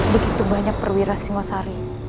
begitu banyak perwira singosari